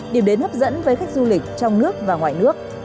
điểm đến hấp dẫn với khách du lịch trong nước và ngoài nước